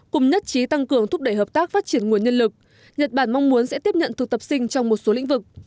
cùng nhất trí tăng cường thúc đẩy hợp tác phát triển nguồn nhân lực nhật bản mong muốn sẽ tiếp nhận thực tập sinh trong một số lĩnh vực